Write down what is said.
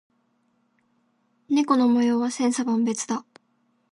猫の模様は千差万別だ。